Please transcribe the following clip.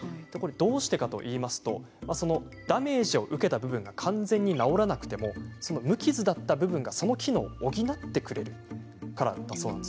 どうしてかというとダメージを受けた部分が完全に治らなくても無傷だった部分がその機能を補ってくれるからなんです。